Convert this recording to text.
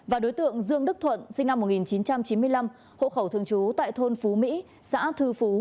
và đối tượng dương đức thuận sinh năm một nghìn chín trăm chín mươi năm hộ khẩu thường trú tại thôn phú mỹ xã thư phú